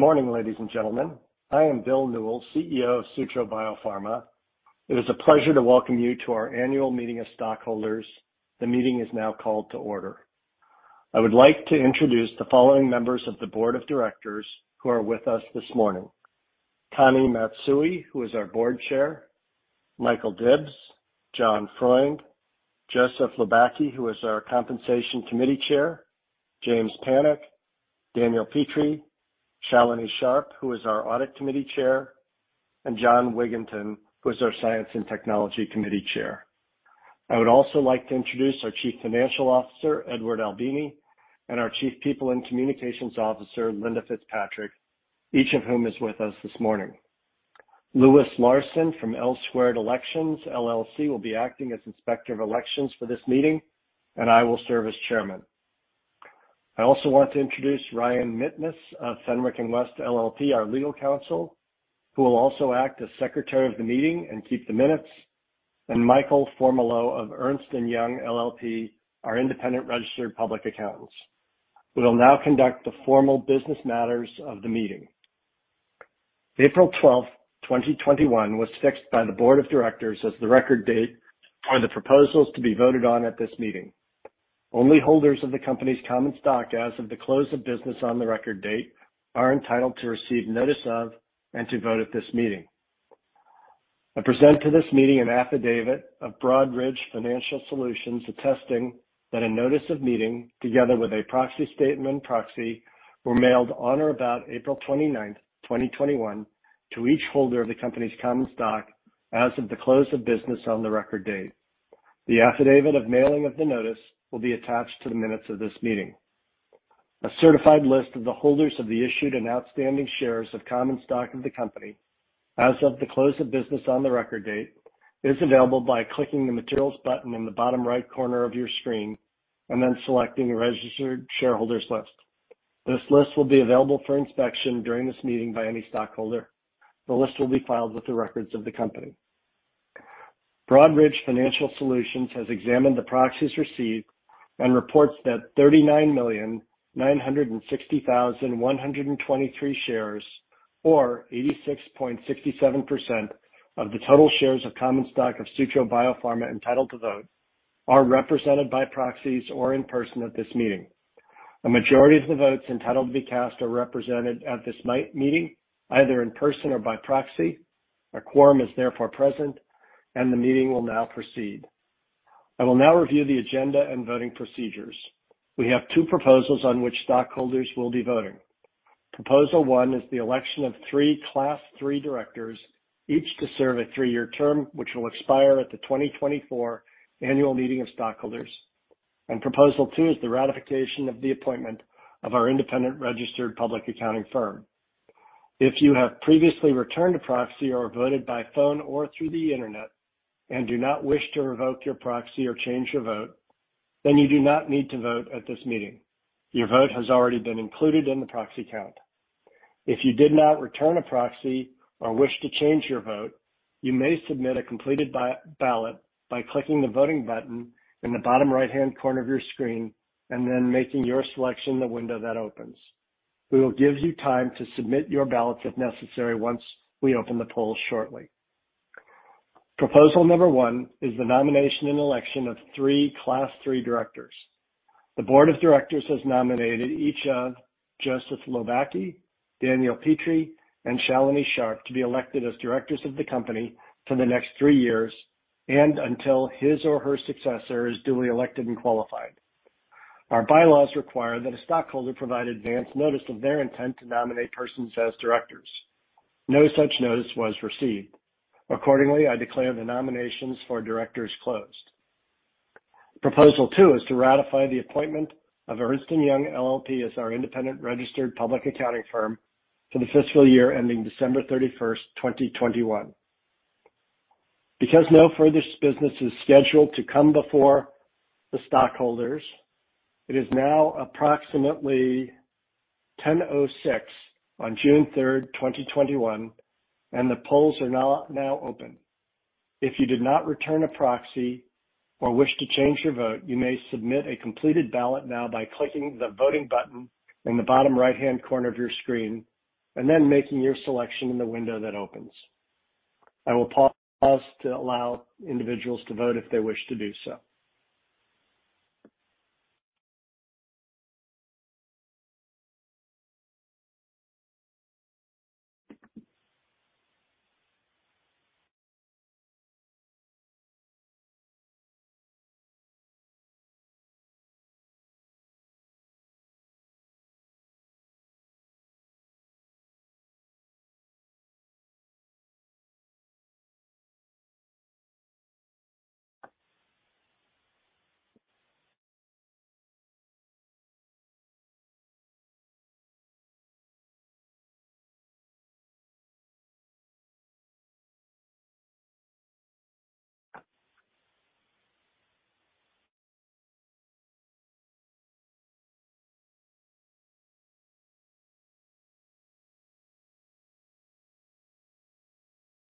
Good morning, ladies and gentlemen. I am Bill Newell, CEO of Sutro Biopharma. It is a pleasure to welcome you to our annual meeting of stockholders. The meeting is now called to order. I would like to introduce the following members of the Board of Directors who are with us this morning. Connie Matsui, who is our Board Chair, Michael Dybbs, John Freund, Joseph M. Lobacki, who is our Compensation Committee Chair, James Panek, Daniel H. Petree, Shalini Sharp, who is our Audit Committee Chair, and Jon M. Wigginton, who is our Science and Technology Committee Chair. I would also like to introduce our Chief Financial Officer, Edward C. Albini, and our Chief People and Communications Officer, Linda Fitzpatrick, each of whom is with us this morning. Lewis Larson from L Squared Elections LLC will be acting as Inspector of Elections for this meeting, and I will serve as Chairman. I also want to introduce Ryan Mitteness of Fenwick & West LLP, our legal counsel, who will also act as secretary of the meeting and keep the minutes, and Michael Formolo of Ernst & Young LLP, our independent registered public accountants. We will now conduct the formal business matters of the meeting. April 12th, 2021, was fixed by the board of directors as the record date for the proposals to be voted on at this meeting. Only holders of the company's common stock as of the close of business on the record date are entitled to receive notice of and to vote at this meeting. I present to this meeting an affidavit of Broadridge Financial Solutions attesting that a notice of meeting, together with a proxy statement and proxy, were mailed on or about April 29th, 2021, to each holder of the company's common stock as of the close of business on the record date. The affidavit of mailing of the notice will be attached to the minutes of this meeting. A certified list of the holders of the issued and outstanding shares of common stock of the company as of the close of business on the record date is available by clicking the Materials button on the bottom right corner of your screen and then selecting Registered Shareholders List. This list will be available for inspection during this meeting by any stockholder. The list will be filed with the records of the company. Broadridge Financial Solutions has examined the proxies received and reports that 39,960,123 shares or 86.67% of the total shares of common stock of Sutro Biopharma entitled to vote are represented by proxies or in person at this meeting. A majority of the votes entitled to be cast are represented at this meeting, either in person or by proxy. A quorum is therefore present, and the meeting will now proceed. I will now review the agenda and voting procedures. We have two proposals on which stockholders will be voting. Proposal one is the election of three class III directors, each to serve a three-year term, which will expire at the 2024 annual meeting of stockholders, and proposal two is the ratification of the appointment of our independent registered public accounting firm. If you have previously returned a proxy or voted by phone or through the Internet and do not wish to revoke your proxy or change your vote, then you do not need to vote at this meeting. Your vote has already been included in the proxy count. If you did not return a proxy or wish to change your vote, you may submit a completed ballot by clicking the Voting button in the bottom right-hand corner of your screen and then making your selection in the window that opens. We will give you time to submit your ballot if necessary once we open the polls shortly. Proposal number one is the nomination and election of three class III directors. The board of directors has nominated each of Joseph Lobacki, Daniel H. Petree, and Shalini Sharp to be elected as directors of the company for the next three years and until his or her successor is duly elected and qualified. Our bylaws require that a stockholder provide advance notice of their intent to nominate persons as directors. No such notice was received. I declare the nominations for directors closed. Proposal two is to ratify the appointment of Ernst & Young LLP as our independent registered public accounting firm for the fiscal year ending December 31st, 2021. No further business is scheduled to come before the stockholders, it is now approximately 10:06 A.M. on June 3rd, 2021, and the polls are now open. If you did not return a proxy or wish to change your vote, you may submit a completed ballot now by clicking the Voting button in the bottom right-hand corner of your screen and then making your selection in the window that opens. I will pause to allow individuals to vote if they wish to do so.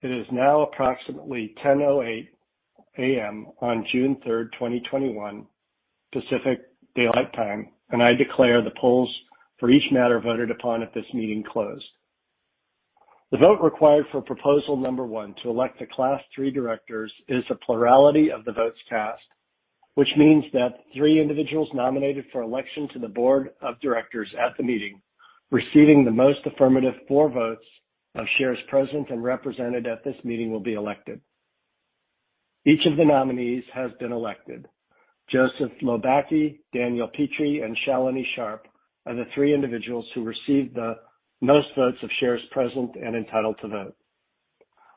It is now approximately 10:08 A.M. on June 3rd, 2021, Pacific Daylight Time. I declare the polls for each matter voted upon at this meeting closed. The vote required for proposal number one to elect the class III directors is the plurality of the votes cast, which means that three individuals nominated for election to the board of directors at the meeting receiving the most affirmative for votes of shares present and represented at this meeting will be elected. Each of the nominees has been elected. Joseph Lobaki, Daniel H. Petree, and Shalini Sharp are the three individuals who received the most votes of shares present and entitled to vote.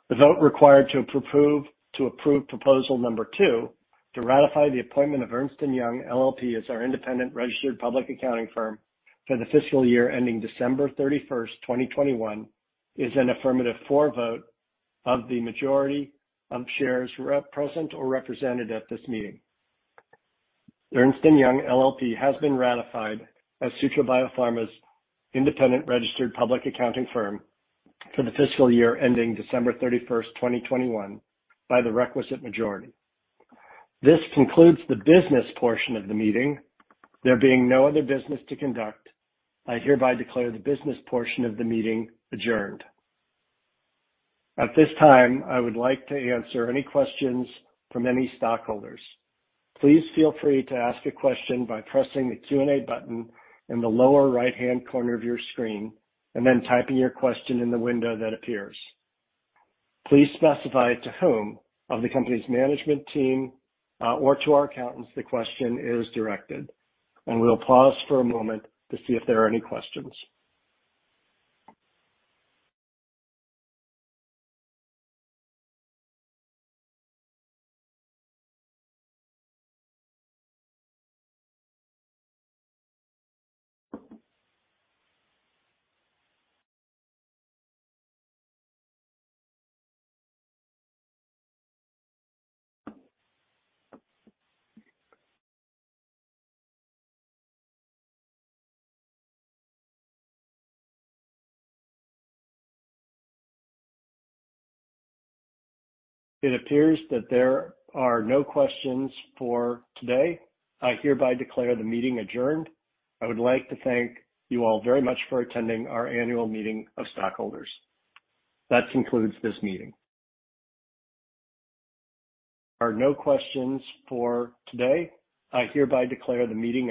The vote required to approve proposal number two to ratify the appointment of Ernst & Young LLP as our independent registered public accounting firm for the fiscal year ending December 31st, 2021, is an affirmative for vote of the majority of shares present or represented at this meeting. Ernst & Young LLP has been ratified as Sutro Biopharma's independent registered public accounting firm for the fiscal year ending December 31st, 2021, by the requisite majority. This concludes the business portion of the meeting. There being no other business to conduct, I hereby declare the business portion of the meeting adjourned. At this time, I would like to answer any questions from any stockholders. Please feel free to ask a question by pressing the Q&A button in the lower right-hand corner of your screen and then typing your question in the window that appears. Please specify to whom of the company's management team or to our accountants the question is directed, and we'll pause for a moment to see if there are any questions. It appears that there are no questions for today. I hereby declare the meeting adjourned. I would like to thank you all very much for attending our annual meeting of stockholders. That concludes this meeting. Are no questions for today. I hereby declare the meeting adjourned.